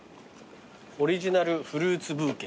「オリジナルフルーツブーケ」